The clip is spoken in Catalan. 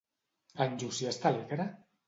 En Llucià està alegre?